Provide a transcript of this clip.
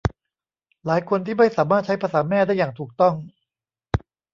หลายคนที่ไม่สามารถใช้ภาษาแม่ได้อย่างถูกต้อง